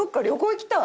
行きたい。